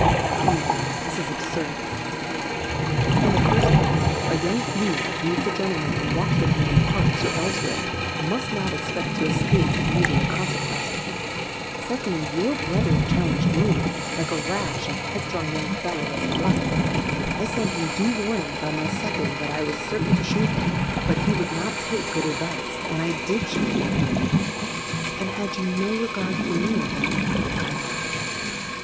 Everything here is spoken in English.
'—'Come, Lydia, this is absurd,' he cried. 'In the first place, a young female who meets a gentleman and walks with him in Parks or elsewhere, must not expect to escape the usual consequences. Secondly, your brother challenged me, like a rash and headstrong young fellow as he was: I sent him due warning by my second that I was certain to shoot him; but he would not take good advice, and I did shoot him.'—'And had you no regard for me at that moment?' I asked.